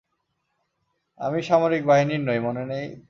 আমি সামরিক বাহিনীর নই, মনে নেই?